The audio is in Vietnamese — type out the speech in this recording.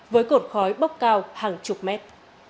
với cột khói bốc cao hàng chục mét